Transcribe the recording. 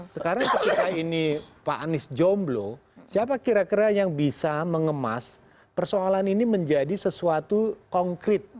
sekarang ketika ini pak anies jomblo siapa kira kira yang bisa mengemas persoalan ini menjadi sesuatu konkret